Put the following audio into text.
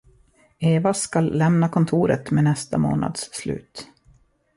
Eva skall lämna kontoret med nästa månads slut.